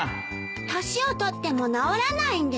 年を取っても直らないんでしょ？